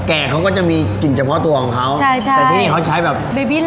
แก่เขาก็จะมีกลิ่นเฉพาะตัวของเขาใช่ใช่แต่ที่นี่เขาใช้แบบเบบิน